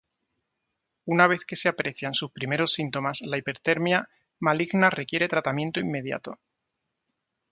Una vez que se aprecian sus primeros síntomas la hipertermia maligna requiere tratamiento inmediato.